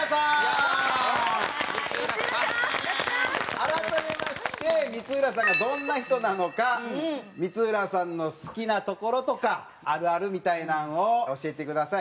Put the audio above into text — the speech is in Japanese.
改めまして光浦さんがどんな人なのか光浦さんの好きな所とかあるあるみたいなんを教えてください。